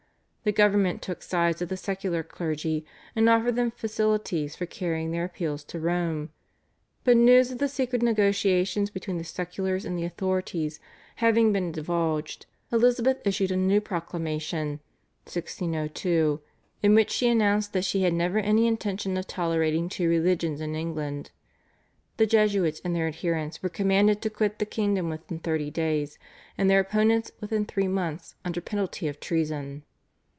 The government took sides with the secular clergy and offered them facilities for carrying their appeals to Rome, but news of the secret negotiations between the seculars and the authorities having been divulged Elizabeth issued a new proclamation (1602) in which she announced that she had never any intention of tolerating two religions in England. The Jesuits and their adherents were commanded to quit the kingdom within thirty days, and their opponents within three months under penalty of treason.